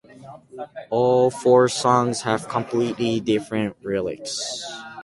All four songs have completely different lyrics.